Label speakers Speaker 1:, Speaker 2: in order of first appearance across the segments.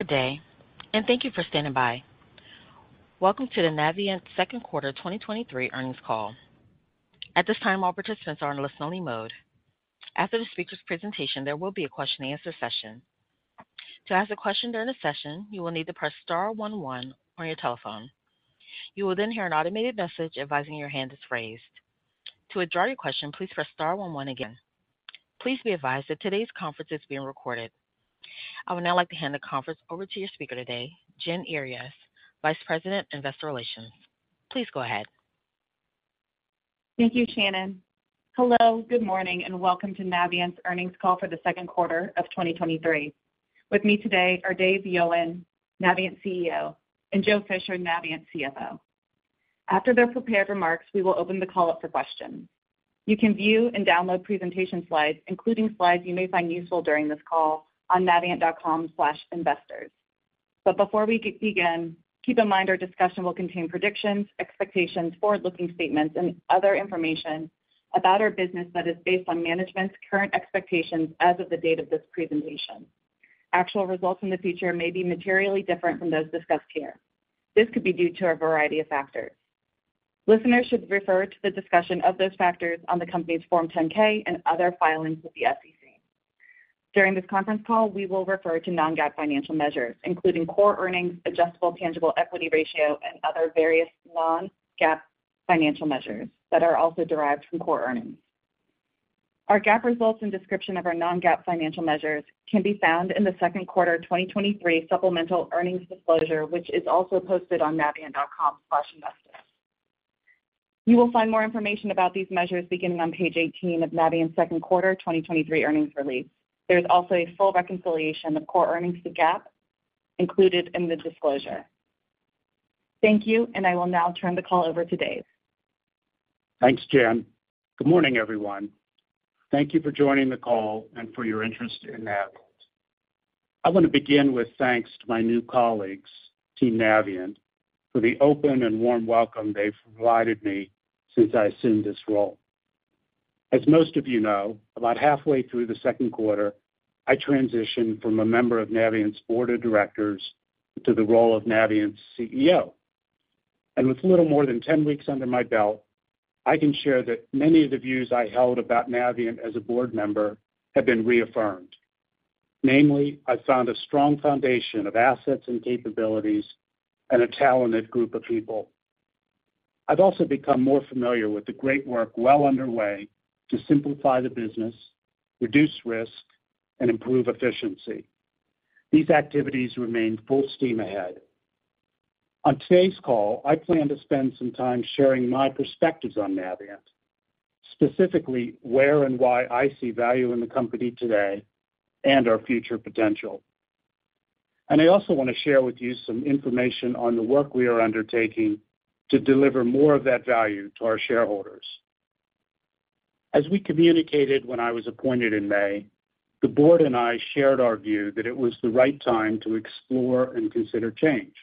Speaker 1: Good day. Thank you for standing by. Welcome to the Navient Second Quarter 2023 Earnings Call. At this time, all participants are in listen-only mode. After the speaker's presentation, there will be a question-and-answer session. To ask a question during the session, you will need to press star one one on your telephone. You will hear an automated message advising your hand is raised. To withdraw your question, please press star one one again. Please be advised that today's conference is being recorded. I would now like to hand the conference over to your speaker today, Jen Earyes, Vice President, Investor Relations. Please go ahead.
Speaker 2: Thank you, Shannon. Hello, good morning, and welcome to Navient's earnings call for the 2nd quarter of 2023. With me today are Dave Yowan, Navient's CEO, and Joe Fisher, Navient's CFO. After their prepared remarks, we will open the call up for questions. You can view and download presentation slides, including slides you may find useful during this call, on navient.com/investors. Before we get begin, keep in mind our discussion will contain predictions, expectations, forward-looking statements, and other information about our business that is based on management's current expectations as of the date of this presentation. Actual results in the future may be materially different from those discussed here. This could be due to a variety of factors. Listeners should refer to the discussion of those factors on the company's Form 10-K and other filings with the SEC. During this conference call, we will refer to non-GAAP financial measures, including core earnings, adjusted tangible equity ratio, and other various non-GAAP financial measures that are also derived from core earnings. Our GAAP results and description of our non-GAAP financial measures can be found in the second quarter 2023 supplemental earnings disclosure, which is also posted on navient.com/investors. You will find more information about these measures beginning on page 18 of Navient's second quarter 2023 earnings release. There's also a full reconciliation of core earnings to GAAP included in the disclosure. Thank you. I will now turn the call over to Dave.
Speaker 3: Thanks, Jen. Good morning, everyone. Thank you for joining the call and for your interest in Navient. I want to begin with thanks to my new colleagues, Team Navient, for the open and warm welcome they've provided me since I assumed this role. As most of you know, about halfway through the second quarter, I transitioned from a member of Navient's board of directors to the role of Navient's CEO. With little more than 10 weeks under my belt, I can share that many of the views I held about Navient as a board member have been reaffirmed. Namely, I found a strong foundation of assets and capabilities and a talented group of people. I've also become more familiar with the great work well underway to simplify the business, reduce risk, and improve efficiency. These activities remain full steam ahead. On today's call, I plan to spend some time sharing my perspectives on Navient, specifically where and why I see value in the company today and our future potential. I also want to share with you some information on the work we are undertaking to deliver more of that value to our shareholders. As we communicated when I was appointed in May, the board and I shared our view that it was the right time to explore and consider change.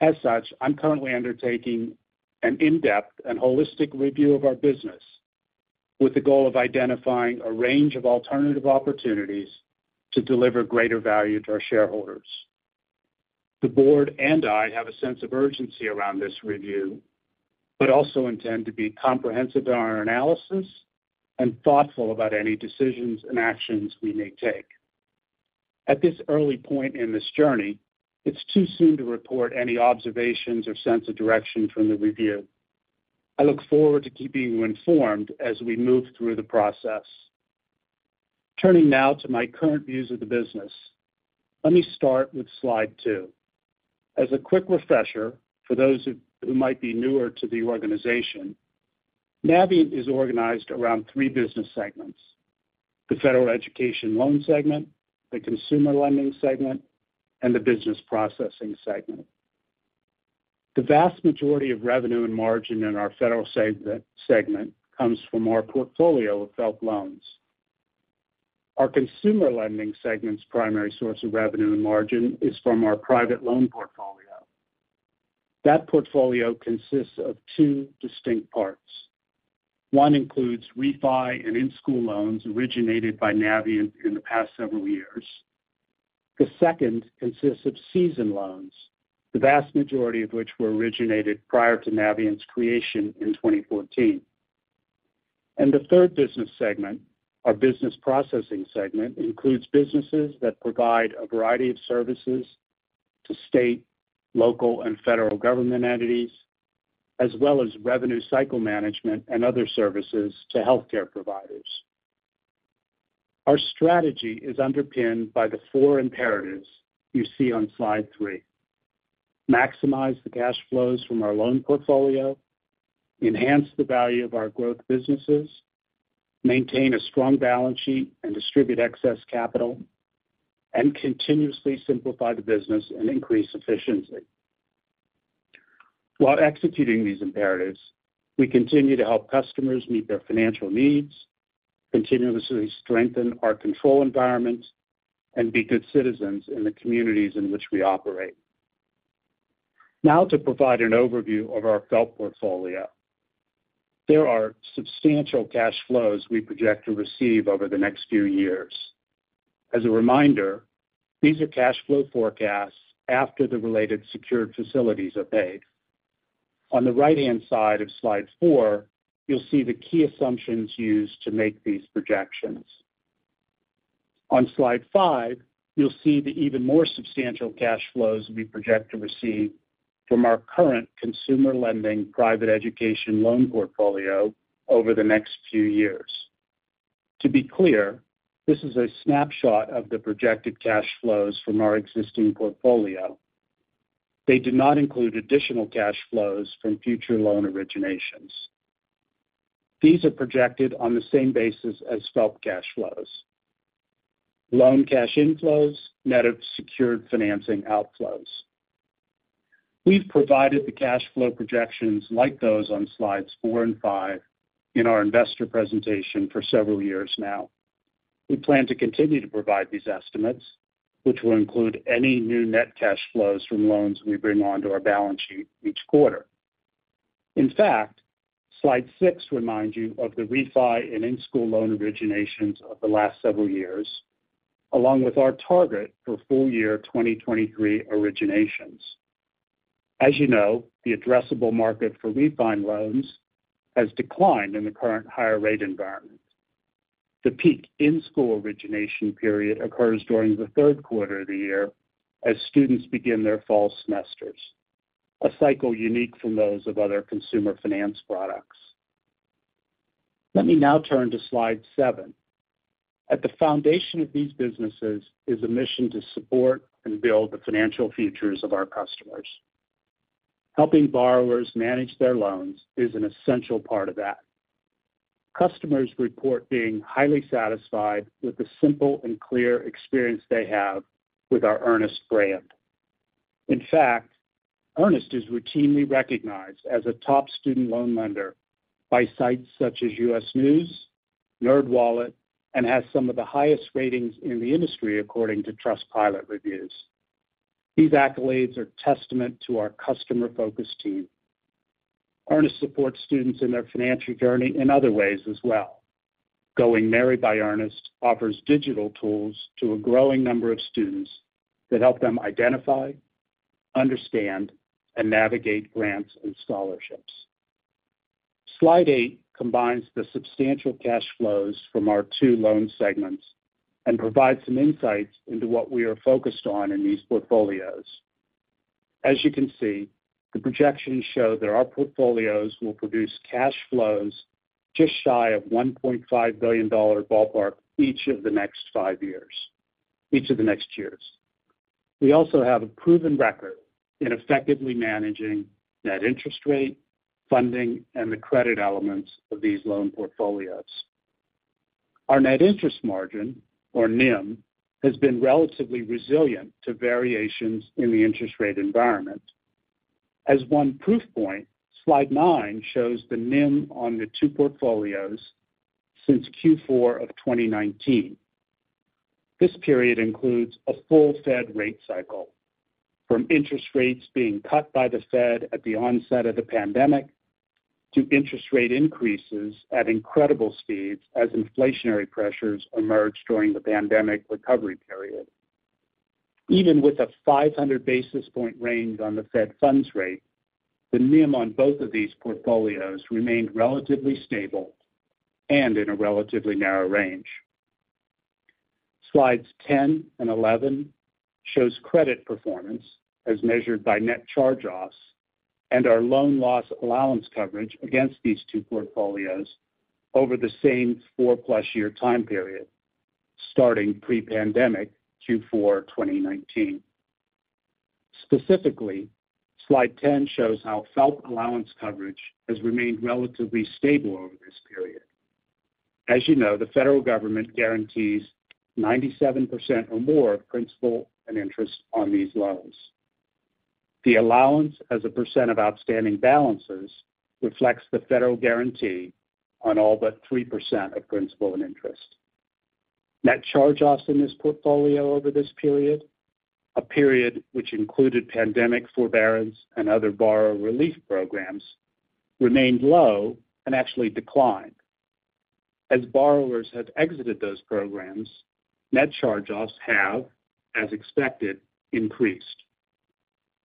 Speaker 3: As such, I'm currently undertaking an in-depth and holistic review of our business with the goal of identifying a range of alternative opportunities to deliver greater value to our shareholders. The board and I have a sense of urgency around this review, but also intend to be comprehensive in our analysis and thoughtful about any decisions and actions we may take. At this early point in this journey, it's too soon to report any observations or sense of direction from the review. I look forward to keeping you informed as we move through the process. Turning now to my current views of the business, let me start with slide two. As a quick refresher, for those who might be newer to the organization, Navient is organized around three business segments: the Federal Education Loan segment, the Consumer Lending segment, and the Business Processing segment. The vast majority of revenue and margin in our Federal segment comes from our portfolio of FFELP loans. Our Consumer Lending segment's primary source of revenue and margin is from our private loan portfolio. That portfolio consists of two distinct parts. One includes refi and in-school loans originated by Navient in the past several years. The second consists of season loans, the vast majority of which were originated prior to Navient's creation in 2014. The third Business Processing segment, our Business Processing segment, includes businesses that provide a variety of services to state, local, and federal government entities, as well as revenue cycle management and other services to healthcare providers. Our strategy is underpinned by the four imperatives you see on slide three: maximize the cash flows from our loan portfolio, enhance the value of our growth businesses, maintain a strong balance sheet and distribute excess capital, and continuously simplify the business and increase efficiency. While executing these imperatives, we continue to help customers meet their financial needs, continuously strengthen our control environment, and be good citizens in the communities in which we operate. Now to provide an overview of our FFELP portfolio. There are substantial cash flows we project to receive over the next few years. As a reminder, these are cash flow forecasts after the related secured facilities are paid. On the right-hand side of slide four, you'll see the key assumptions used to make these projections. On slide five, you'll see the even more substantial cash flows we project to receive from our current Consumer Lending private education loan portfolio over the next few years. To be clear, this is a snapshot of the projected cash flows from our existing portfolio. They do not include additional cash flows from future loan originations. These are projected on the same basis as FFELP cash flows. Loan cash inflows, net of secured financing outflows. We've provided the cash flow projections like those on slides four and five in our investor presentation for several years now. We plan to continue to provide these estimates, which will include any new net cash flows from loans we bring onto our balance sheet each quarter. In fact, slide six reminds you of the refi and in-school loan originations of the last several years, along with our target for full year 2023 originations. As you know, the addressable market for refi loans has declined in the current higher rate environment. The peak in-school origination period occurs during the third quarter of the year as students begin their fall semesters, a cycle unique from those of other consumer finance products. Let me now turn to slide seven. At the foundation of these businesses is a mission to support and build the financial futures of our customers. Helping borrowers manage their loans is an essential part of that. Customers report being highly satisfied with the simple and clear experience they have with our Earnest brand. In fact, Earnest is routinely recognized as a top student loan lender by sites such as U.S. News, NerdWallet, and has some of the highest ratings in the industry, according to Trustpilot reviews. These accolades are testament to our customer-focused team. Earnest supports students in their financial journey in other ways as well. Going Merry by Earnest offers digital tools to a growing number of students that help them identify, understand, and navigate grants and scholarships. Slide 8 combines the substantial cash flows from our two loan segments and provides some insights into what we are focused on in these portfolios. As you can see, the projections show that our portfolios will produce cash flows just shy of $1.5 billion ballpark each of the next years. We also have a proven record in effectively managing net interest rate, funding, and the credit elements of these loan portfolios. Our net interest margin, or NIM, has been relatively resilient to variations in the interest rate environment. As one proof point, slide nine shows the NIM on the two portfolios since Q4 of 2019. This period includes a full Fed rate cycle, from interest rates being cut by the Fed at the onset of the pandemic, to interest rate increases at incredible speeds as inflationary pressures emerged during the pandemic recovery period. Even with a 500 basis point range on the Fed funds rate, the NIM on both of these portfolios remained relatively stable and in a relatively narrow range. Slides 10 and 11 shows credit performance as measured by net charge-offs and our loan loss allowance coverage against these two portfolios over the same four-plus-year time period, starting pre-pandemic Q4 2019. Specifically, slide 10 shows how FFELP allowance coverage has remained relatively stable over this period. As you know, the federal government guarantees 97% or more of principal and interest on these loans. The allowance as a percent of outstanding balances reflects the federal guarantee on all but 3% of principal and interest. Net charge-offs in this portfolio over this period, a period which included pandemic forbearance and other borrower relief programs, remained low and actually declined. As borrowers have exited those programs, net charge-offs have, as expected, increased.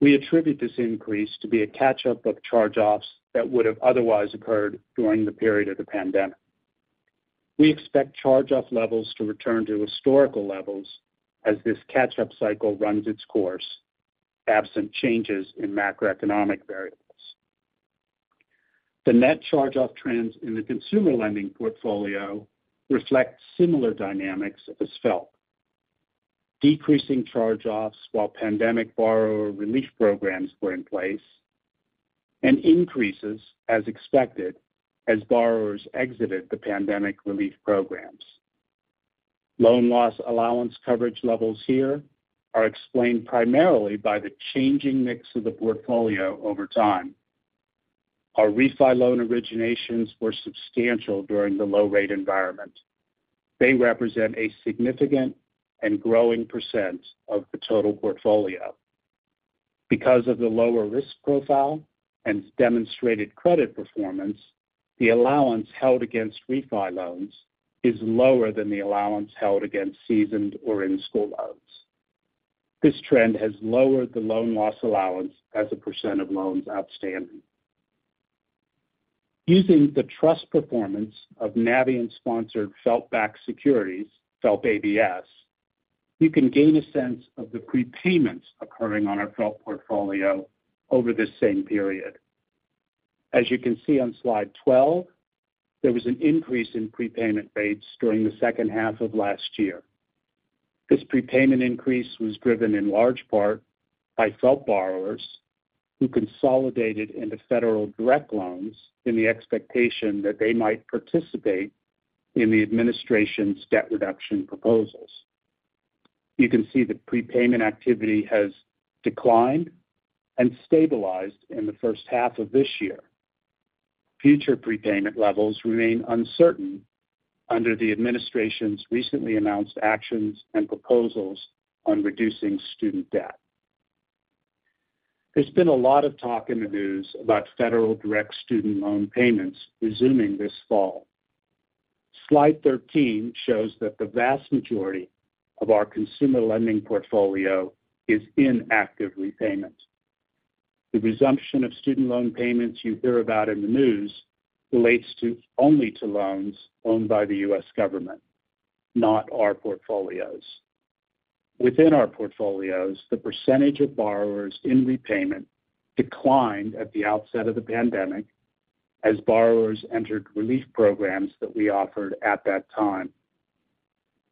Speaker 3: We attribute this increase to be a catch-up of charge-offs that would have otherwise occurred during the period of the pandemic. We expect charge-off levels to return to historical levels as this catch-up cycle runs its course, absent changes in macroeconomic variables. The net charge-off trends in the consumer lending portfolio reflect similar dynamics as FFELP. Decreasing charge-offs while pandemic borrower relief programs were in place, and increases, as expected, as borrowers exited the pandemic relief programs. Loan loss allowance coverage levels here are explained primarily by the changing mix of the portfolio over time. Our refi loan originations were substantial during the low-rate environment. They represent a significant and growing % of the total portfolio. Because of the lower risk profile and demonstrated credit performance, the allowance held against refi loans is lower than the allowance held against seasoned or in-school loans. This trend has lowered the loan loss allowance as a percent of loans outstanding. Using the trust performance of Navient-sponsored FFELP-backed securities, FFELP ABS, you can gain a sense of the prepayments occurring on our FFELP portfolio over this same period. As you can see on slide 12, there was an increase in prepayment rates during the second half of last year. This prepayment increase was driven in large part by FFELP borrowers who consolidated into Federal Direct Loans in the expectation that they might participate in the administration's debt reduction proposals. You can see that prepayment activity has declined and stabilized in the first half of this year. Future prepayment levels remain uncertain under the administration's recently announced actions and proposals on reducing student debt. There's been a lot of talk in the news about federal direct student loan payments resuming this fall. Slide 13 shows that the vast majority of our Consumer Lending portfolio is in active repayment. The resumption of student loan payments you hear about in the news relates to only to loans owned by the U.S. government, not our portfolios. Within our portfolios, the percentage of borrowers in repayment declined at the outset of the pandemic as borrowers entered relief programs that we offered at that time.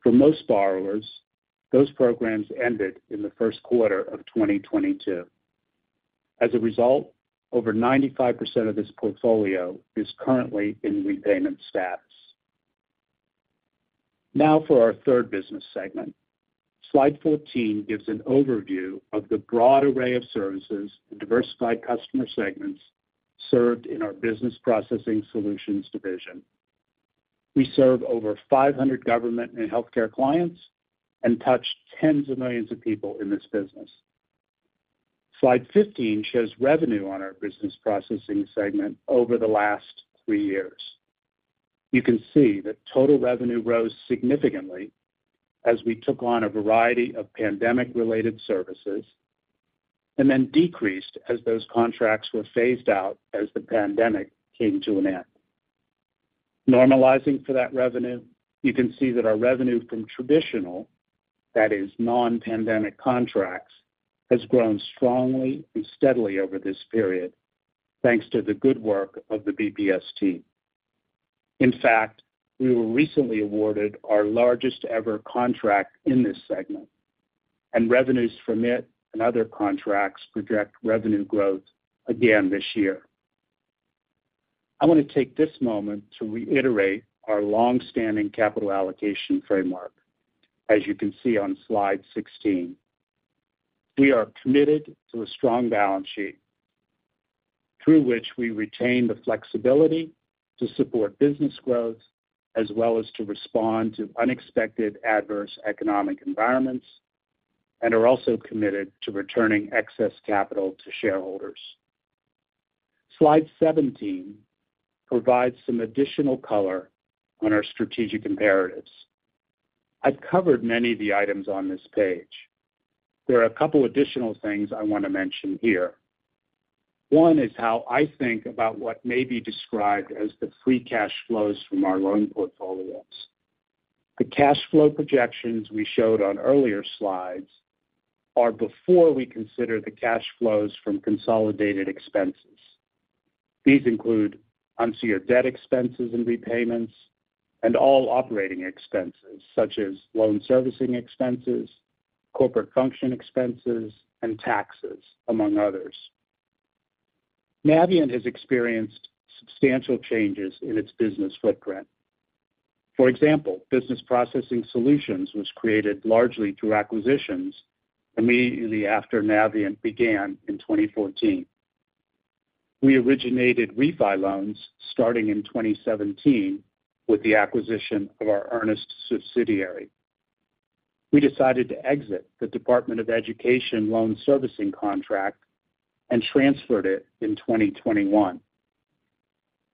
Speaker 3: For most borrowers, those programs ended in the first quarter of 2022. As a result, over 95% of this portfolio is currently in repayment status. For our third business segment. Slide 14 gives an overview of the broad array of services and diversified customer segments served in our Business Processing Solutions division. We serve over 500 government and healthcare clients and touch tens of millions of people in this business. Slide 15 shows revenue on our Business Processing segment over the last three years. You can see that total revenue rose significantly as we took on a variety of pandemic-related services, and then decreased as those contracts were phased out as the pandemic came to an end. Normalizing for that revenue, you can see that our revenue from traditional, that is, non-pandemic contracts, has grown strongly and steadily over this period, thanks to the good work of the BPS team. We were recently awarded our largest-ever contract in this segment, and revenues from it and other contracts project revenue growth again this year. I want to take this moment to reiterate our long-standing capital allocation framework, as you can see on slide 16. We are committed to a strong balance sheet through which we retain the flexibility to support business growth, as well as to respond to unexpected adverse economic environments, and are also committed to returning excess capital to shareholders. Slide 17 provides some additional color on our strategic imperatives. I've covered many of the items on this page. There are a couple additional things I want to mention here. One is how I think about what may be described as the free cash flows from our loan portfolios. The cash flow projections we showed on earlier slides are before we consider the cash flows from consolidated expenses. These include unsecured debt expenses and repayments, and all operating expenses such as loan servicing expenses, corporate function expenses, and taxes, among others. Navient has experienced substantial changes in its business footprint. For example, Business Processing Solutions was created largely through acquisitions immediately after Navient began in 2014. We originated refi loans starting in 2017 with the acquisition of our Earnest subsidiary. We decided to exit the Department of Education loan servicing contract and transferred it in 2021.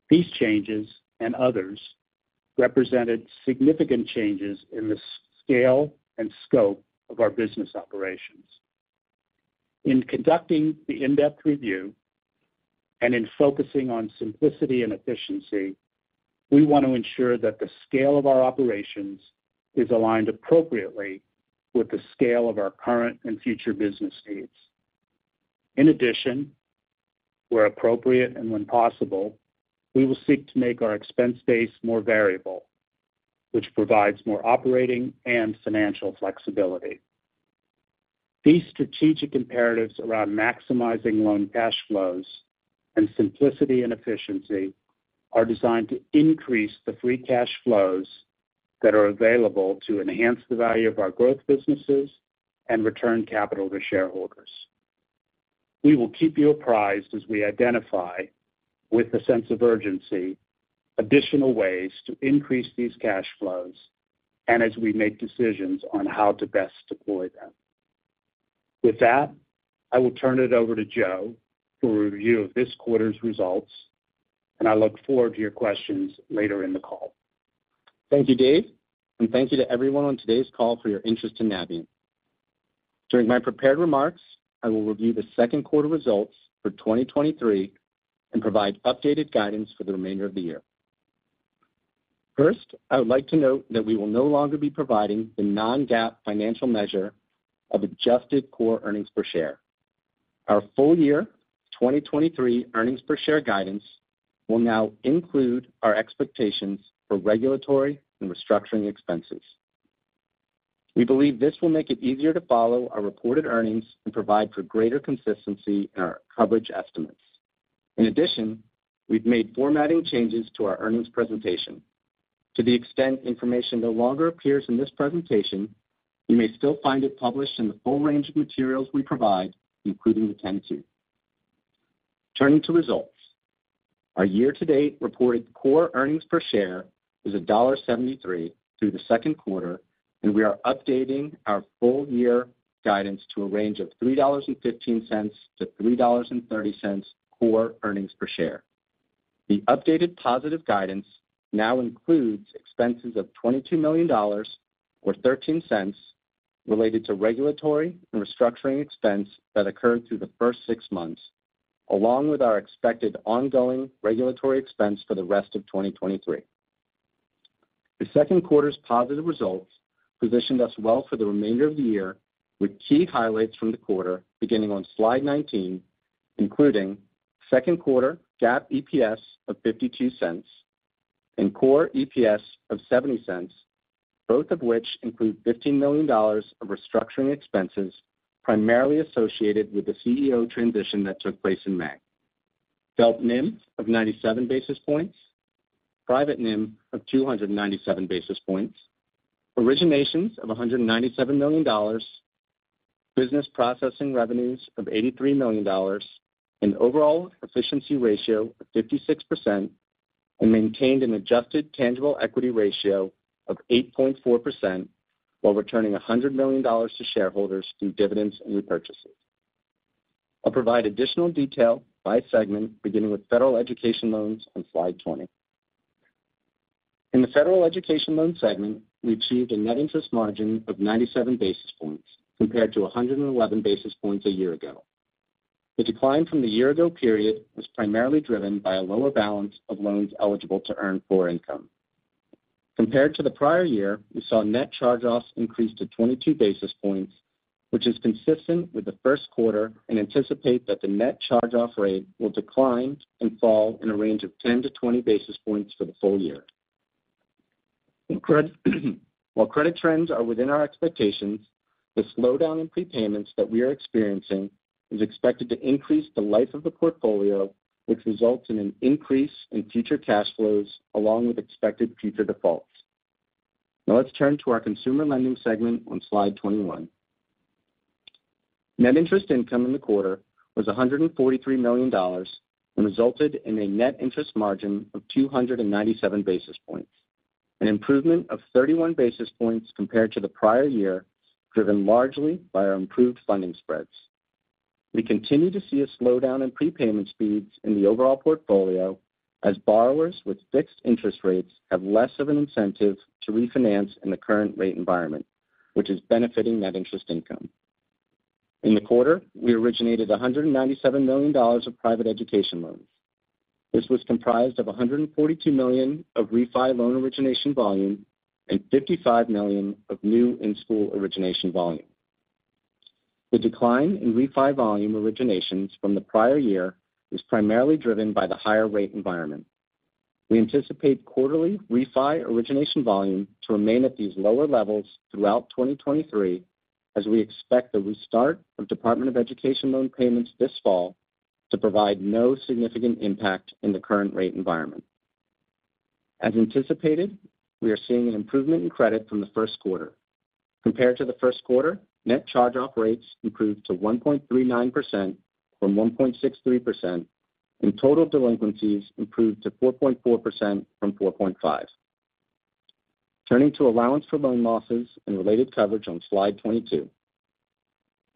Speaker 3: These changes and others represented significant changes in the scale and scope of our business operations. In conducting the in-depth review and in focusing on simplicity and efficiency, we want to ensure that the scale of our operations is aligned appropriately with the scale of our current and future business needs. In addition, where appropriate and when possible, we will seek to make our expense base more variable, which provides more operating and financial flexibility. These strategic imperatives around maximizing loan cash flows and simplicity and efficiency are designed to increase the free cash flows that are available to enhance the value of our growth businesses and return capital to shareholders. We will keep you apprised as we identify, with a sense of urgency, additional ways to increase these cash flows and as we make decisions on how to best deploy them. With that, I will turn it over to Joe for a review of this quarter's results. I look forward to your questions later in the call.
Speaker 4: Thank you, Dave, and thank you to everyone on today's call for your interest in Navient. During my prepared remarks, I will review the second quarter results for 2023 and provide updated guidance for the remainder of the year. First, I would like to note that we will no longer be providing the non-GAAP financial measure of adjusted core earnings per share. Our full year 2023 earnings per share guidance will now include our expectations for regulatory and restructuring expenses. We believe this will make it easier to follow our reported earnings and provide for greater consistency in our coverage estimates. In addition, we've made formatting changes to our earnings presentation. To the extent information no longer appears in this presentation, you may still find it published in the full range of materials we provide, including the 10-Q. Turning to results. Our year-to-date reported core earnings per share is $1.73 through the second quarter. We are updating our full year guidance to a range of $3.15-$3.30 core earnings per share. The updated positive guidance now includes expenses of $22 million, or $0.13, related to regulatory and restructuring expense that occurred through the first six months, along with our expected ongoing regulatory expense for the rest of 2023. The second quarter's positive results positioned us well for the remainder of the year, with key highlights from the quarter beginning on slide 19, including second quarter GAAP EPS of $0.52 and core EPS of $0.70, both of which include $15 million of restructuring expenses, primarily associated with the CEO transition that took place in May. FFELP NIM of 97 basis points, private NIM of 297 basis points, originations of $197 million, Business Processing revenues of $83 million, an overall efficiency ratio of 56%, maintained an adjusted tangible equity ratio of 8.4%, while returning $100 million to shareholders through dividends and repurchases. I'll provide additional detail by segment, beginning with Federal Education Loans on slide 20. In the Federal Education Loans segment, we achieved a net interest margin of 97 basis points, compared to 111 basis points a year ago. The decline from the year-ago period was primarily driven by a lower balance of loans eligible to earn core income. Compared to the prior year, we saw net charge-offs increase to 22 basis points, which is consistent with the first quarter, and anticipate that the net charge-off rate will decline and fall in a range of 10-20 basis points for the full year. In credit, while credit trends are within our expectations, the slowdown in prepayments that we are experiencing is expected to increase the life of the portfolio, which results in an increase in future cash flows along with expected future defaults. Now let's turn to our Consumer Lending segment on slide 21. Net interest income in the quarter was $143 million and resulted in a net interest margin of 297 basis points, an improvement of 31 basis points compared to the prior year, driven largely by our improved funding spreads. We continue to see a slowdown in prepayment speeds in the overall portfolio, as borrowers with fixed interest rates have less of an incentive to refinance in the current rate environment, which is benefiting net interest income. In the quarter, we originated $197 million of private education loans. This was comprised of $142 million of refi loan origination volume and $55 million of new in-school origination volume. The decline in refi volume originations from the prior year was primarily driven by the higher rate environment. We anticipate quarterly refi origination volume to remain at these lower levels throughout 2023, as we expect the restart of Department of Education loan payments this fall to provide no significant impact in the current rate environment. As anticipated, we are seeing an improvement in credit from the first quarter. Compared to the first quarter, net charge-off rates improved to 1.39% from 1.63%. Total delinquencies improved to 4.4% from 4.5%. Turning to allowance for loan losses and related coverage on slide 22.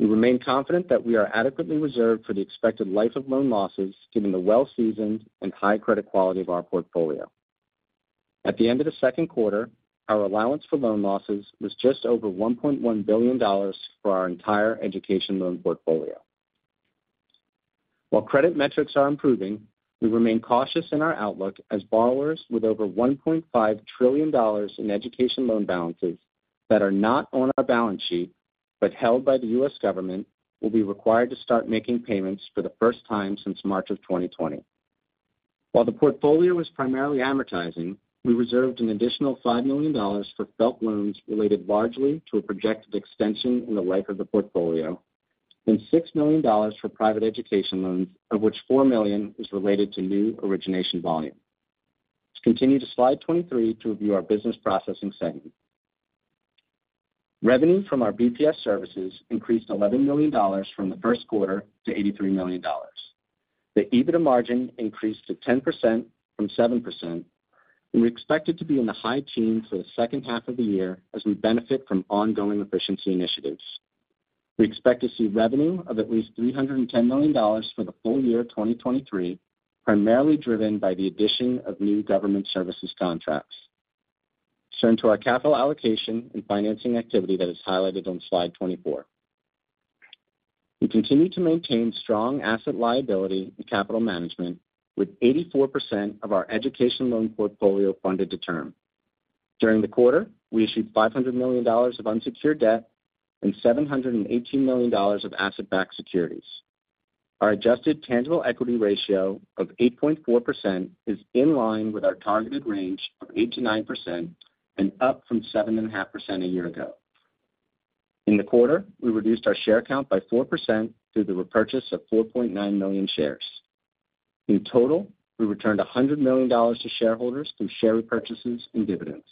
Speaker 4: We remain confident that we are adequately reserved for the expected life of loan losses, given the well-seasoned and high credit quality of our portfolio. At the end of the second quarter, our allowance for loan losses was just over $1.1 billion for our entire education loan portfolio. While credit metrics are improving, we remain cautious in our outlook as borrowers with over $1.5 trillion in education loan balances that are not on our balance sheet, but held by the U.S. government, will be required to start making payments for the first time since March of 2020. While the portfolio is primarily amortizing, we reserved an additional $5 million for FFELP loans related largely to a projected extension in the life of the portfolio, and $6 million for private education loans, of which $4 million is related to new origination volume. Let's continue to slide 23 to review our Business Processing segment. Revenue from our BPS services increased $11 million from the first quarter to $83 million. The EBITDA margin increased to 10% from 7%, and we expect it to be in the high teens for the second half of the year as we benefit from ongoing efficiency initiatives. We expect to see revenue of at least $310 million for the full year 2023, primarily driven by the addition of new government services contracts. Let's turn to our capital allocation and financing activity that is highlighted on slide 24. We continue to maintain strong asset liability and capital management, with 84% of our education loan portfolio funded to term. During the quarter, we issued $500 million of unsecured debt and $718 million of asset-backed securities. Our adjusted tangible equity ratio of 8.4% is in line with our targeted range of 8%-9% and up from 7.5% a year ago. In the quarter, we reduced our share count by 4% through the repurchase of 4.9 million shares. In total, we returned $100 million to shareholders through share repurchases and dividends.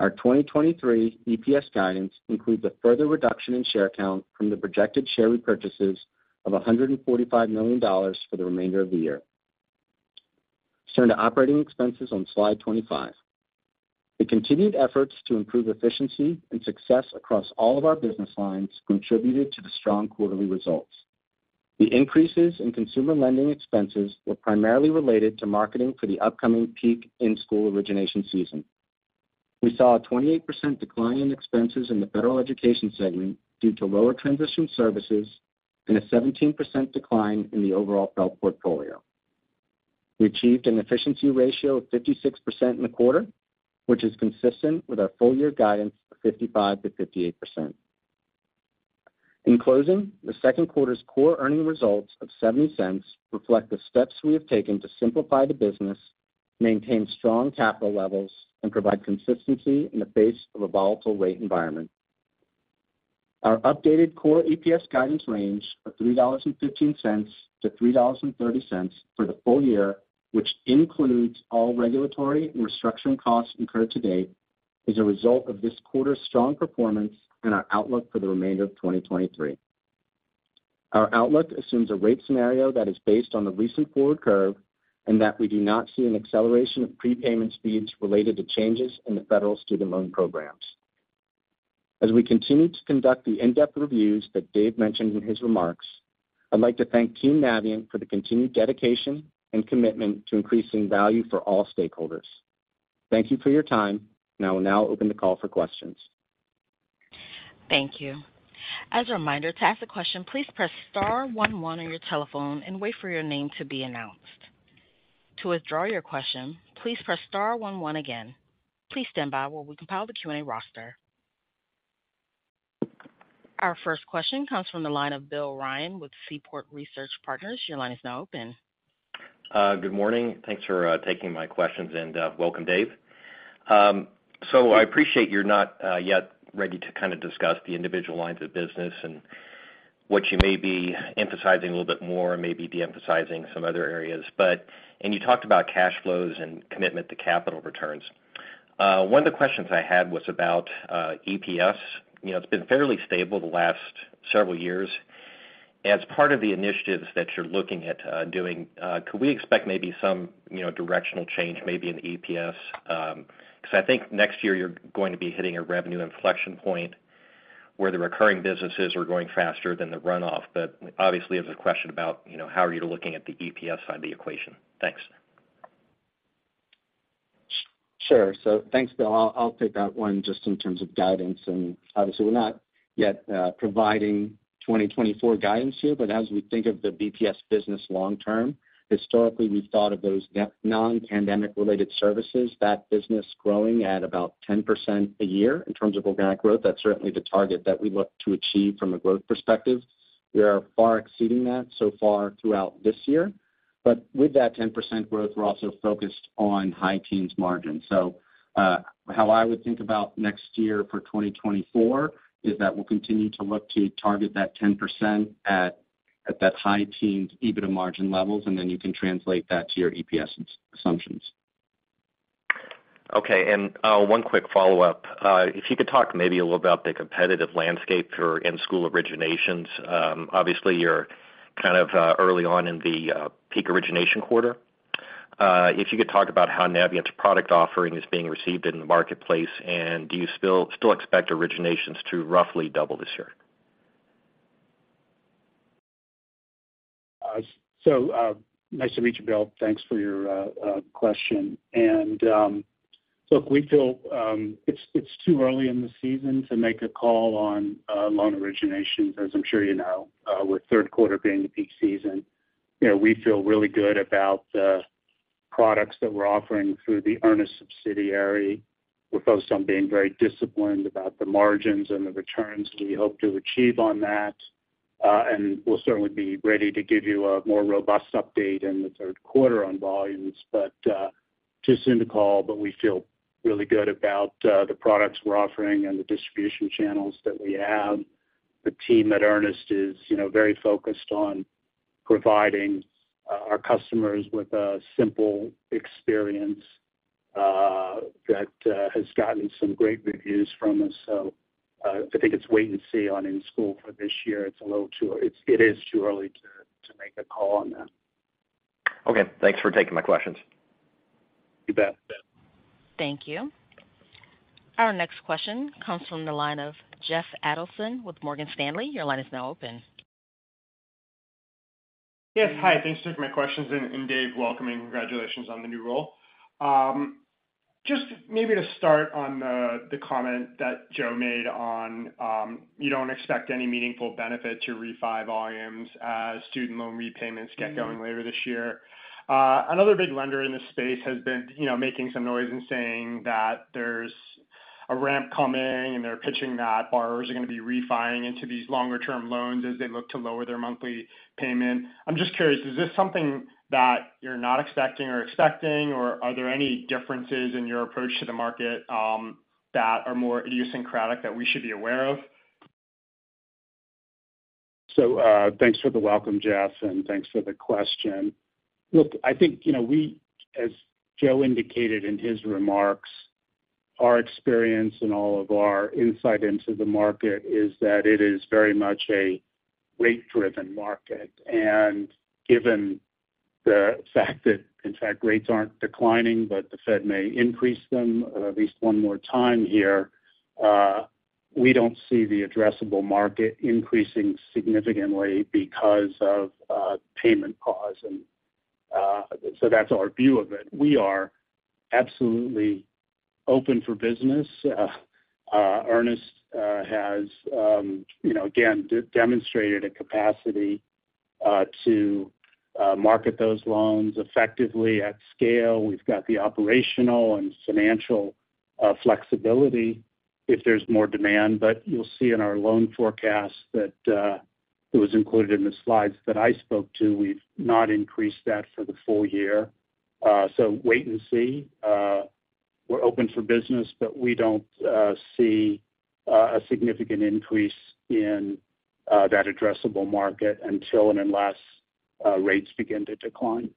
Speaker 4: Our 2023 EPS guidance includes a further reduction in share count from the projected share repurchases of $145 million for the remainder of the year. Let's turn to operating expenses on slide 25. The continued efforts to improve efficiency and success across all of our business lines contributed to the strong quarterly results. The increases in Consumer Lending expenses were primarily related to marketing for the upcoming peak in-school origination season. We saw a 28% decline in expenses in the Federal Education segment due to lower transition services and a 17% decline in the overall FFELP portfolio. We achieved an efficiency ratio of 56% in the quarter, which is consistent with our full-year guidance of 55%-58%. In closing, the second quarter's core earnings results of $0.70 reflect the steps we have taken to simplify the business, maintain strong capital levels, and provide consistency in the face of a volatile rate environment. Our updated core EPS guidance range of $3.15-$3.30 for the full year, which includes all regulatory and restructuring costs incurred to date, is a result of this quarter's strong performance and our outlook for the remainder of 2023. Our outlook assumes a rate scenario that is based on the recent forward curve and that we do not see an acceleration of prepayment speeds related to changes in the federal student loan programs. As we continue to conduct the in-depth reviews that Dave mentioned in his remarks, I'd like to thank Team Navient for the continued dedication and commitment to increasing value for all stakeholders. Thank you for your time. I will now open the call for questions.
Speaker 1: Thank you. As a reminder, to ask a question, please press star one one on your telephone and wait for your name to be announced. To withdraw your question, please press star one one again. Please stand by while we compile the Q&A roster. Our first question comes from the line of Bill Ryan with Seaport Research Partners. Your line is now open.
Speaker 5: Good morning. Thanks for taking my questions, and welcome, Dave. I appreciate you're not yet ready to kind of discuss the individual lines of business and what you may be emphasizing a little bit more and maybe de-emphasizing some other areas. You talked about cash flows and commitment to capital returns. One of the questions I had was about EPS. You know, it's been fairly stable the last several years. As part of the initiatives that you're looking at doing, could we expect maybe some, you know, directional change, maybe in EPS? Because I think next year, you're going to be hitting a revenue inflection point where the recurring businesses are going faster than the runoff. Obviously, it's a question about, you know, how are you looking at the EPS side of the equation? Thanks.
Speaker 4: Sure. Thanks, Bill. I'll take that one just in terms of guidance. Obviously, we're not yet providing 2024 guidance here, but as we think of the BPS business long term, historically, we've thought of those non-pandemic related services, that business growing at about 10% a year in terms of organic growth. That's certainly the target that we look to achieve from a growth perspective. We are far exceeding that so far throughout this year. With that 10% growth, we're also focused on high teens margin. How I would think about next year for 2024 is that we'll continue to look to target that 10% at that high teens EBITDA margin levels, and then you can translate that to your EPS assumptions.
Speaker 5: Okay, one quick follow-up. If you could talk maybe a little about the competitive landscape for in-school originations. Obviously, you're kind of early on in the peak origination quarter. If you could talk about how Navient's product offering is being received in the marketplace, and do you still expect originations to roughly double this year?
Speaker 3: Nice to meet you, Bill Ryan. Thanks for your question. Look, we feel it's too early in the season to make a call on loan originations, as I'm sure you know, with third quarter being the peak season. You know, we feel really good about the products that we're offering through the Earnest subsidiary. We're focused on being very disciplined about the margins and the returns we hope to achieve on that, and we'll certainly be ready to give you a more robust update in the third quarter on volumes. Too soon to call, but we feel really good about the products we're offering and the distribution channels that we have. The team at Earnest is, you know, very focused on providing our customers with a simple experience that has gotten some great reviews from us. I think it's wait and see on in-school for this year. It is too early to make a call on that.
Speaker 5: Okay. Thanks for taking my questions.
Speaker 3: You bet.
Speaker 1: Thank you. Our next question comes from the line of Jeff Adelson with Morgan Stanley. Your line is now open.
Speaker 6: Yes, hi. Thanks for taking my questions, and Dave, welcome, and congratulations on the new role. Just maybe to start on the comment that Joe made on, you don't expect any meaningful benefit to refi volumes as student loan repayments get going later this year. Another big lender in this space has been, you know, making some noise and saying that there's a ramp coming, and they're pitching that borrowers are gonna be refi-ing into these longer-term loans as they look to lower their monthly payment. I'm just curious, is this something that you're not expecting or expecting, or are there any differences in your approach to the market, that are more idiosyncratic that we should be aware of?
Speaker 3: Thanks for the welcome, Jeff, and thanks for the question. Look, I think, you know, we, as Joe indicated in his remarks, our experience and all of our insight into the market is that it is very much a rate-driven market. Given the fact that, in fact, rates aren't declining, but the Fed may increase them at least 1 more time here, we don't see the addressable market increasing significantly because of payment pause. That's our view of it. We are absolutely open for business. Earnest has, you know, again, demonstrated a capacity to market those loans effectively at scale. We've got the operational and financial flexibility if there's more demand. You'll see in our loan forecast that it was included in the slides that I spoke to, we've not increased that for the full year. Wait and see. We're open for business, but we don't see a significant increase in that addressable market until and unless rates begin to decline.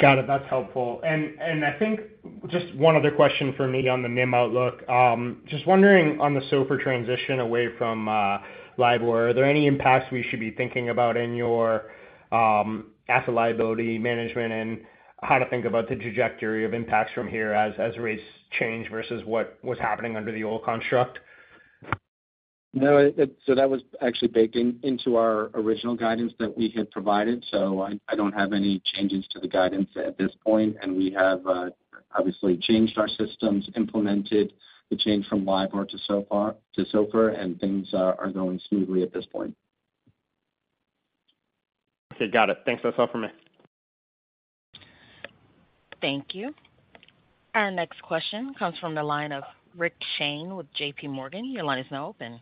Speaker 6: Got it. That's helpful. I think just one other question for me on the NIM outlook, just wondering, on the SOFR transition away from LIBOR, are there any impacts we should be thinking about in your asset liability management, and how to think about the trajectory of impacts from here as rates change versus what was happening under the old construct?
Speaker 4: That was actually baked into our original guidance that we had provided. I don't have any changes to the guidance at this point. We have obviously changed our systems, implemented the change from LIBOR to SOFR, and things are going smoothly at this point.
Speaker 6: Okay, got it. Thanks. That's all for me.
Speaker 1: Thank you. Our next question comes from the line of Rick Shane with JPMorgan. Your line is now open.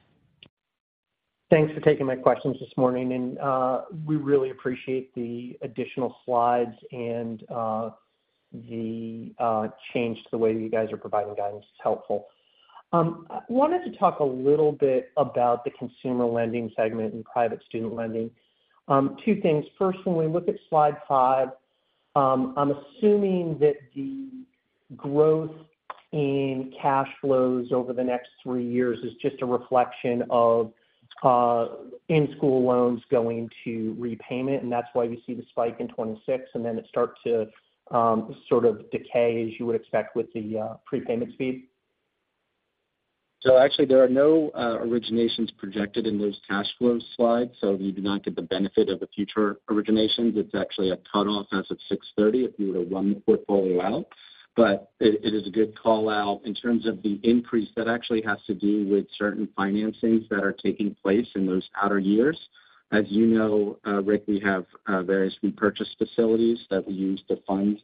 Speaker 7: Thanks for taking my questions this morning, and we really appreciate the additional slides and the change to the way you guys are providing guidance. It's helpful. I wanted to talk a little bit about the Consumer Lending segment and private student lending. Two things. First, when we look at slide five, I'm assuming that the growth in cash flows over the next three years is just a reflection of in-school loans going to repayment, and that's why we see the spike in 2026, and then it starts to sort of decay, as you would expect with the prepayment speed?
Speaker 4: Actually, there are no originations projected in those cash flow slides, so you do not get the benefit of the future originations. It's actually a cut-off as of 6/30, if you were to run the portfolio out. It, it is a good call-out. In terms of the increase, that actually has to do with certain financings that are taking place in those outer years. As you know, Rick, we have various repurchase facilities that we use to fund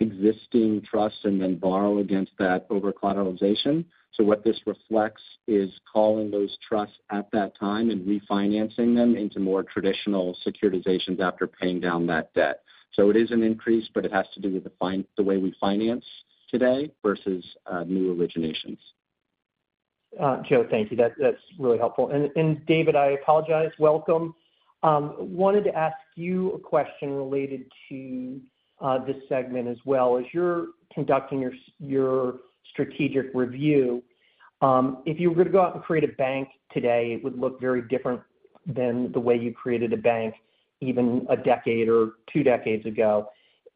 Speaker 4: existing trusts and then borrow against that overcollateralization. What this reflects is calling those trusts at that time and refinancing them into more traditional securitizations after paying down that debt. It is an increase, but it has to do with the way we finance today versus new originations.
Speaker 7: Joe, thank you. That's really helpful. David, I apologize. Welcome. Wanted to ask you a question related to this segment as well. As you're conducting your strategic review, if you were to go out and create a bank today, it would look very different than the way you created a bank even one decade or two decades ago.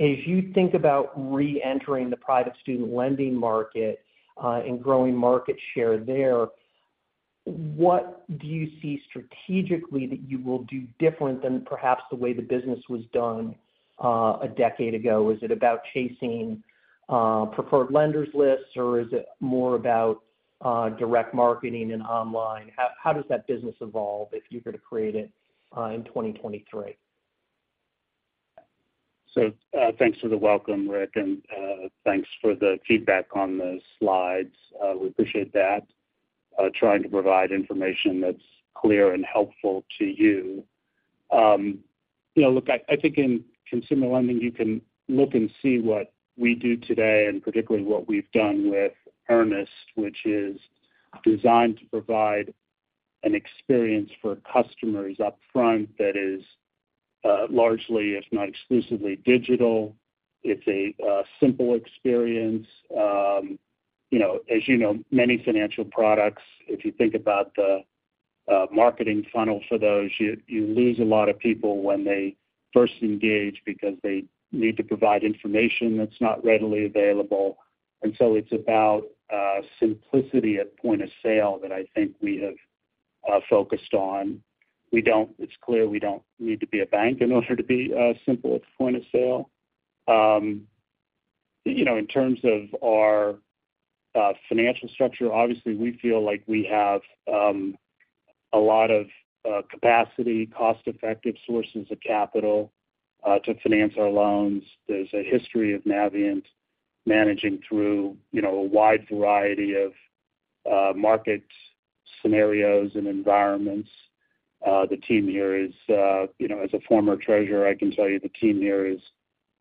Speaker 7: As you think about reentering the private student lending market, and growing market share there, what do you see strategically that you will do different than perhaps the way the business was done, one decade ago? Is it about chasing preferred lenders lists, or is it more about direct marketing and online? How does that business evolve if you were to create it in 2023?
Speaker 3: Thanks for the welcome, Rick, and thanks for the feedback on the slides. We appreciate that. Trying to provide information that's clear and helpful to you. You know, look, I think in Consumer Lending, you can look and see what we do today, and particularly what we've done with Earnest, which is designed to provide an experience for customers upfront that is largely, if not exclusively, digital. It's a simple experience. You know, as you know, many financial products, if you think about the marketing funnel for those, you lose a lot of people when they first engage because they need to provide information that's not readily available. It's about simplicity at point of sale that I think we have focused on. We don't. It's clear we don't need to be a bank in order to be simple at the point of sale. You know, in terms of our financial structure, obviously, we feel like we have a lot of capacity, cost-effective sources of capital to finance our loans. There's a history of Navient managing through, you know, a wide variety of market scenarios and environments. The team here is, you know, as a former treasurer, I can tell you the team here is,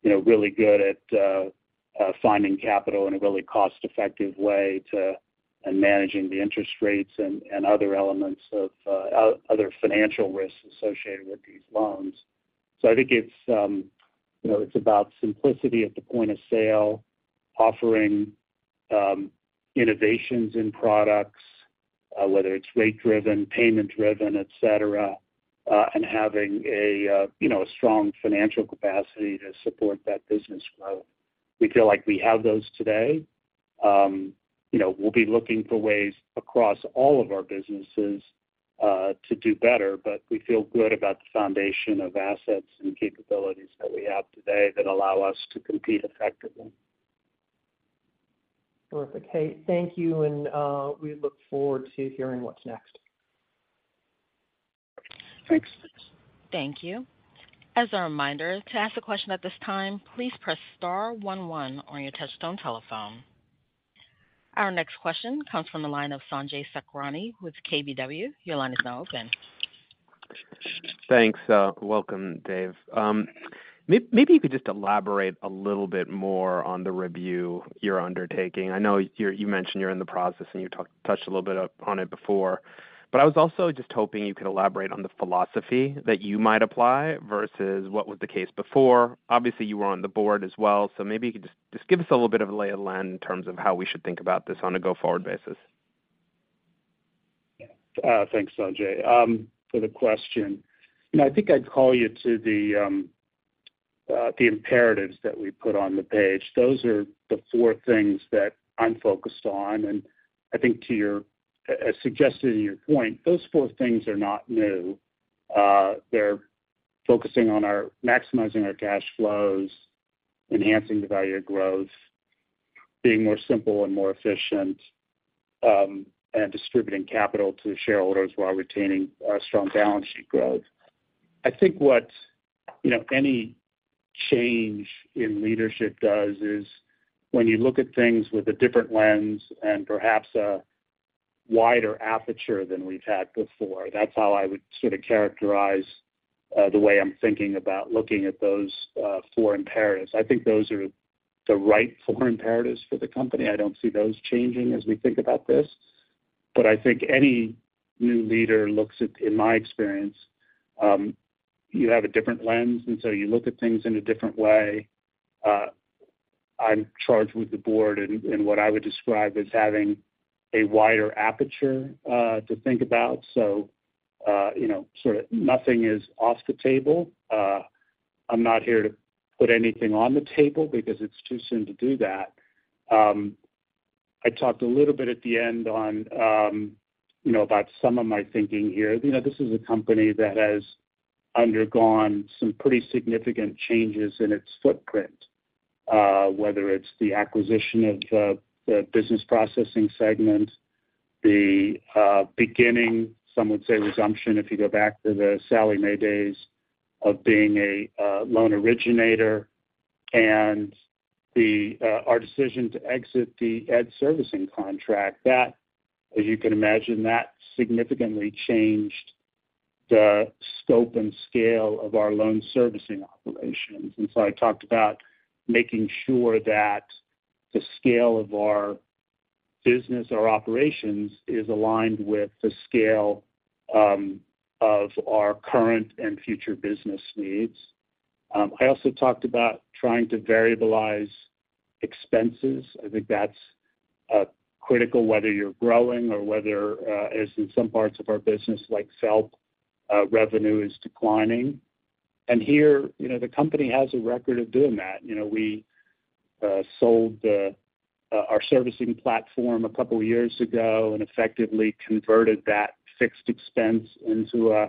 Speaker 3: you know, really good at finding capital in a really cost-effective way and managing the interest rates and other elements of other financial risks associated with these loans. I think it's, you know, it's about simplicity at the point of sale, offering innovations in products, whether it's rate driven, payment driven, et cetera, and having a, you know, a strong financial capacity to support that business growth. We feel like we have those today. You know, we'll be looking for ways across all of our businesses to do better, but we feel good about the foundation of assets and capabilities that we have today that allow us to compete effectively.
Speaker 7: Terrific! Hey, thank you, and we look forward to hearing what's next.
Speaker 3: Thanks.
Speaker 1: Thank you. As a reminder, to ask a question at this time, please press star one one on your touch-tone telephone. Our next question comes from the line of Sanjay Sakhrani with KBW. Your line is now open.
Speaker 8: Thanks. Welcome, Dave. Maybe you could just elaborate a little bit more on the review you're undertaking. I know you mentioned you're in the process, and you touched a little bit on it before. I was also just hoping you could elaborate on the philosophy that you might apply versus what was the case before. Obviously, you were on the board as well, so maybe you could just give us a little bit of a lay of the land in terms of how we should think about this on a go-forward basis.
Speaker 3: Thanks, Sanjay, for the question. You know, I think I'd call you to the imperatives that we put on the page. Those are the four things that I'm focused on, and I think as suggested in your point, those four things are not new. They're focusing on our maximizing our cash flows, enhancing the value of growth, being more simple and more efficient, and distributing capital to shareholders while retaining strong balance sheet growth. I think what, you know, any change in leadership does is when you look at things with a different lens and perhaps a wider aperture than we've had before, that's how I would sort of characterize the way I'm thinking about looking at those four imperatives. I think those are the right four imperatives for the company. I don't see those changing as we think about this. I think any new leader looks at, in my experience, you have a different lens, and so you look at things in a different way. I'm charged with the board and what I would describe as having a wider aperture to think about. You know, sort of nothing is off the table. I'm not here to put anything on the table because it's too soon to do that. I talked a little bit at the end on, you know, about some of my thinking here. You know, this is a company that has undergone some pretty significant changes in its footprint, whether it's the acquisition of the Business Processing segment, the beginning, some would say resumption, if you go back to the Sallie Mae days of being a loan originator, and the our decision to exit the ed servicing contract, that, as you can imagine, that significantly changed the scope and scale of our loan servicing operations. I talked about making sure that the scale of our business, or operations, is aligned with the scale of our current and future business needs. I also talked about trying to variabilize expenses. I think that's critical, whether you're growing or whether as in some parts of our business, like, self, revenue is declining. Here, you know, the company has a record of doing that. You know, we sold the our servicing platform a couple of years ago and effectively converted that fixed expense into a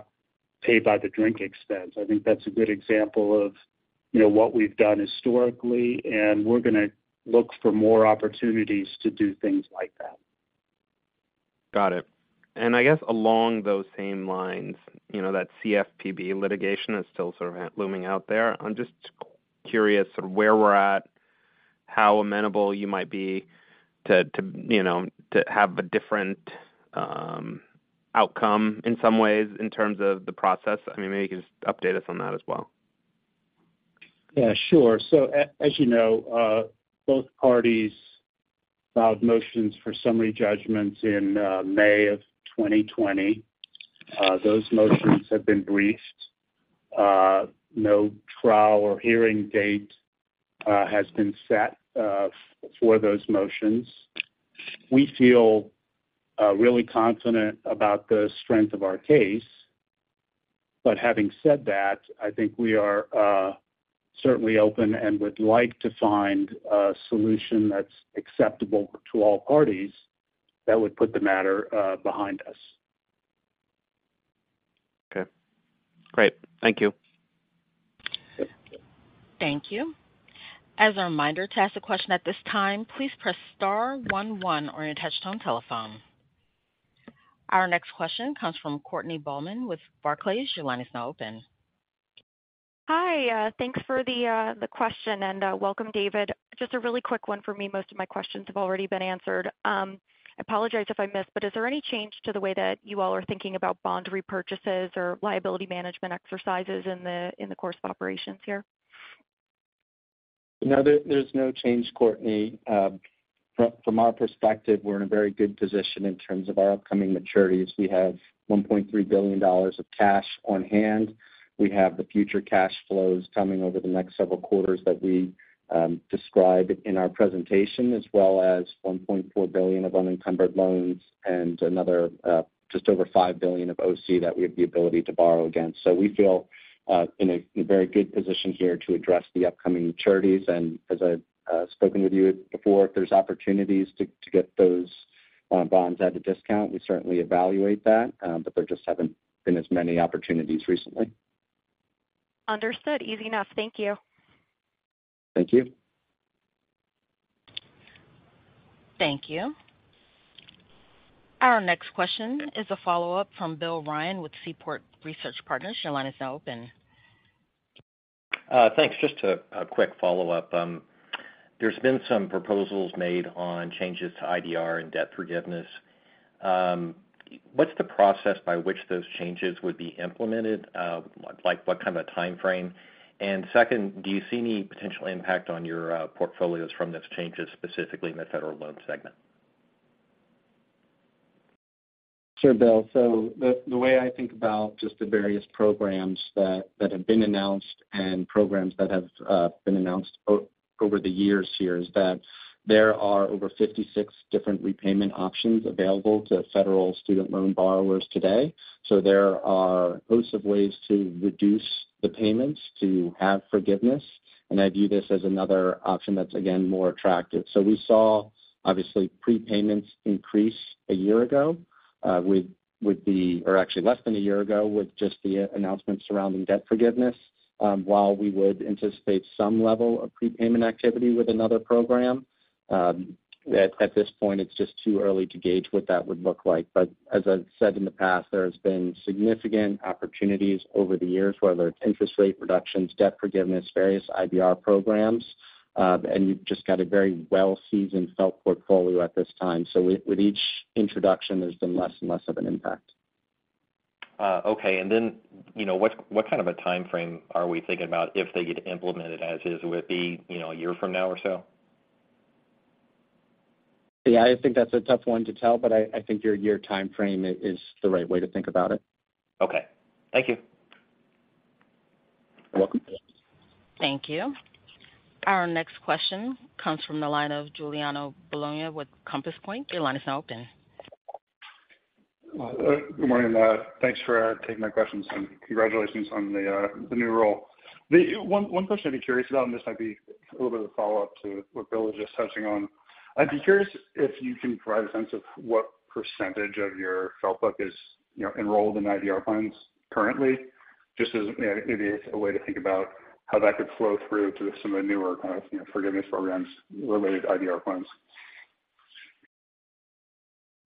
Speaker 3: pay-by-the-drink expense. I think that's a good example of, you know, what we've done historically, and we're going to look for more opportunities to do things like that.
Speaker 8: Got it. I guess along those same lines, you know, that CFPB litigation is still sort of looming out there. I'm just curious sort of where we're at, how amenable you might be to, you know, to have a different outcome in some ways in terms of the process. I mean, maybe you can just update us on that as well.
Speaker 3: Yeah, sure. As you know, both parties filed motions for summary judgments in May of 2020. Those motions have been briefed. No trial or hearing date has been set for those motions. We feel really confident about the strength of our case. Having said that, I think we are certainly open and would like to find a solution that's acceptable to all parties that would put the matter behind us.
Speaker 8: Okay, great. Thank you.
Speaker 1: Thank you. As a reminder, to ask a question at this time, please press star one one on your touchtone telephone. Our next question comes from Courtney Bahlman with Barclays. Your line is now open.
Speaker 9: Hi, thanks for the question. Welcome, David. Just a really quick one for me. Most of my questions have already been answered. I apologize if I missed, but is there any change to the way that you all are thinking about bond repurchases or liability management exercises in the course of operations here?
Speaker 4: No, there's no change, Courtney. From our perspective, we're in a very good position in terms of our upcoming maturities. We have $1.3 billion of cash on hand. We have the future cash flows coming over the next several quarters that we described in our presentation, as well as $1.4 billion of unencumbered loans and another just over $5 billion of OC that we have the ability to borrow against. We feel in a very good position here to address the upcoming maturities. As I've spoken with you before, if there's opportunities to get those bonds at a discount, we certainly evaluate that, but there just haven't been as many opportunities recently.
Speaker 9: Understood. Easy enough. Thank you.
Speaker 4: Thank you.
Speaker 1: Thank you. Our next question is a follow-up from Bill Ryan with Seaport Research Partners. Your line is now open.
Speaker 5: Thanks. Just a quick follow-up. There's been some proposals made on changes to IDR and debt forgiveness. What's the process by which those changes would be implemented? Like, what kind of a timeframe? Second, do you see any potential impact on your portfolios from those changes, specifically in the federal loan segment?
Speaker 4: The way I think about just the various programs that have been announced and programs that have been announced over the years here, is that there are over 56 different repayment options available to federal student loan borrowers today. There are hosts of ways to reduce the payments to have forgiveness, and I view this as another option that's, again, more attractive. We saw, obviously, prepayments increase a year ago, or actually less than a year ago, with just the announcement surrounding debt forgiveness. While we would anticipate some level of prepayment activity with another program, at this point, it's just too early to gauge what that would look like. As I've said in the past, there has been significant opportunities over the years, whether it's interest rate reductions, debt forgiveness, various IDR programs, and you've just got a very well-seasoned FFELP portfolio at this time. With each introduction, there's been less and less of an impact.
Speaker 5: Okay. you know, what kind of a timeframe are we thinking about if they get implemented as is? Would it be, you know, a year from now or so?
Speaker 4: Yeah, I think that's a tough one to tell, but I think your year timeframe is the right way to think about it.
Speaker 5: Okay. Thank you.
Speaker 4: You're welcome.
Speaker 1: Thank you. Our next question comes from the line of Giuliano Bologna with Compass Point. Your line is now open.
Speaker 10: Good morning. Thanks for taking my questions, and congratulations on the new role. One question I'd be curious about, and this might be a little bit of a follow-up to what Bill was just touching on. I'd be curious if you can provide a sense of what percentage of your FFELP is, you know, enrolled in IDR plans currently, just as maybe a way to think about how that could flow through to some of the newer kind of, you know, forgiveness programs related to IDR plans?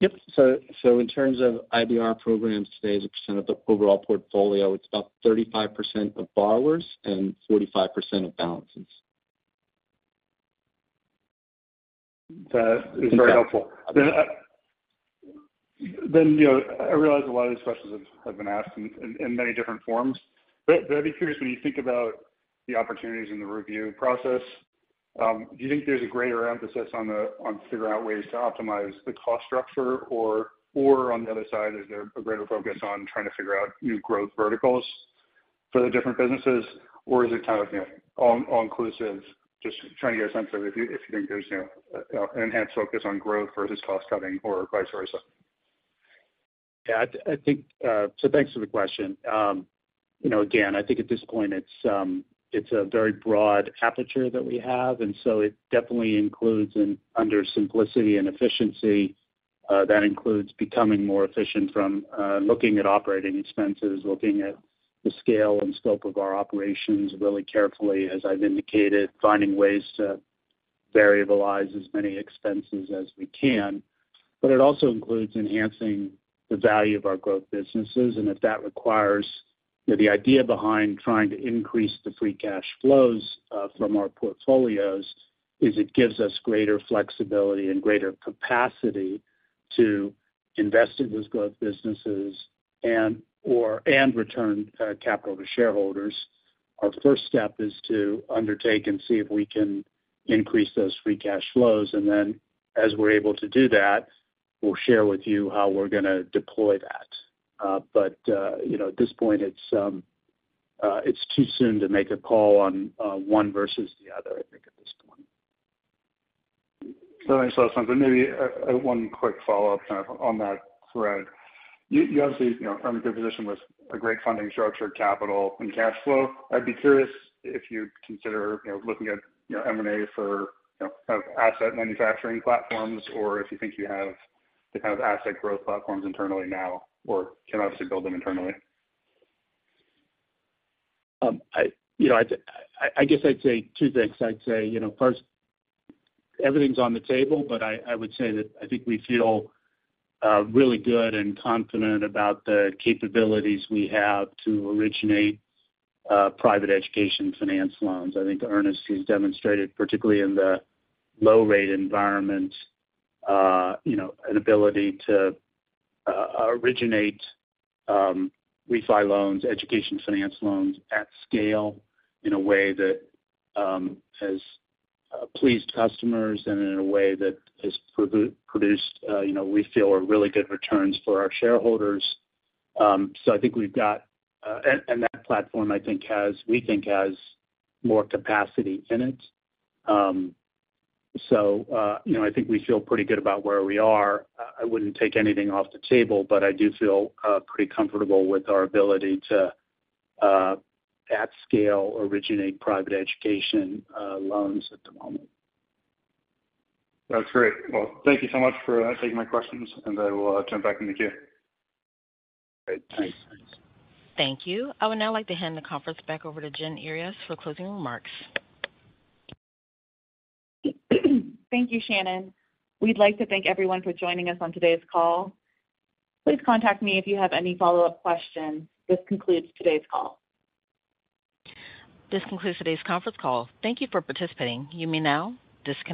Speaker 4: Yep. In terms of IDR programs today, as a percent of the overall portfolio, it's about 35% of borrowers and 45% of balances.
Speaker 10: That is very helpful. You know, I realize a lot of these questions have been asked in many different forms, but I'd be curious, when you think about the opportunities in the review process, do you think there's a greater emphasis on figuring out ways to optimize the cost structure? On the other side, is there a greater focus on trying to figure out new growth verticals for the different businesses, or is it kind of, you know, all inclusive? Trying to get a sense of if you think there's, you know, an enhanced focus on growth versus cost cutting or vice versa.
Speaker 4: Thanks for the question. You know, again, I think at this point it's a very broad aperture that we have. It definitely includes and under simplicity and efficiency, that includes becoming more efficient from, looking at operating expenses, looking at the scale and scope of our operations really carefully, as I've indicated, finding ways, variabilize as many expenses as we can, but it also includes enhancing the value of our growth businesses, and if that requires, you know, the idea behind trying to increase the free cash flows from our portfolios, is it gives us greater flexibility and greater capacity to invest in those growth businesses and, or, and return capital to shareholders. Our first step is to undertake and see if we can increase those free cash flows, and then as we're able to do that, we'll share with you how we're gonna deploy that. You know, at this point, it's too soon to make a call on one versus the other, I think, at this point.
Speaker 10: Thanks so much. Maybe, one quick follow-up kind of on that thread. You obviously, you know, are in a good position with a great funding structure, capital, and cash flow. I'd be curious if you'd consider, you know, looking at, you know, M&A for, you know, kind of asset manufacturing platforms, or if you think you have the kind of asset growth platforms internally now, or can obviously build them internally?
Speaker 3: I, you know, I guess I'd say two things. I'd say, you know, first, everything's on the table. I would say that I think we feel really good and confident about the capabilities we have to originate private education finance loans. I think Earnest has demonstrated, particularly in the low-rate environment, you know, an ability to originate refi loans, education finance loans at scale in a way that has pleased customers and in a way that has produced, you know, we feel are really good returns for our shareholders. I think we've got. That platform, I think has, we think has more capacity in it. You know, I think we feel pretty good about where we are. I wouldn't take anything off the table, but I do feel pretty comfortable with our ability to at scale, originate private education loans at the moment.
Speaker 10: That's great. Well, thank you so much for taking my questions. I will turn back in the queue.
Speaker 3: Great. Thanks.
Speaker 1: Thank you. I would now like to hand the conference back over to Jen Earyes for closing remarks.
Speaker 2: Thank you, Shannon. We'd like to thank everyone for joining us on today's call. Please contact me if you have any follow-up questions. This concludes today's call.
Speaker 1: This concludes today's conference call. Thank you for participating. You may now disconnect.